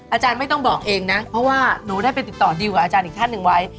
อาจารย์ไม่ต้องบอกเองนะเพราะว่าหนูได้ไปติดต่อดิวกับอาจารย์อีกท่านหนึ่งไว้